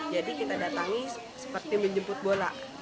jadi kita datangi seperti menjemput bola